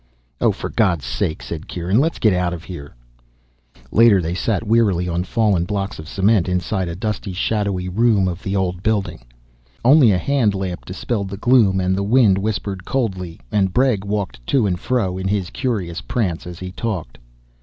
"Oh, for God's sake," said Kieran, "let's get out of here." Later, they sat wearily on fallen blocks of cement inside a dusty, shadowy room of the old building. Only a hand lamp dispelled the gloom, and the wind whispered coldly, and Bregg walked to and fro in his curious prance as he talked.